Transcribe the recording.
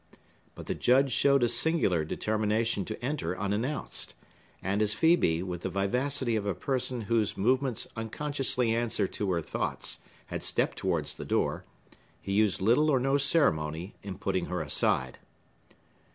But the Judge showed a singular determination to enter unannounced; and as Phœbe, with the vivacity of a person whose movements unconsciously answer to her thoughts, had stepped towards the door, he used little or no ceremony in putting her aside.